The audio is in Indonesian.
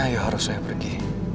ya harus saya pergi